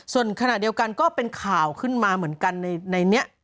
ส่วนขณะเดียวกันก็เป็นข่าวขึ้นมาเหมือนกันในนี้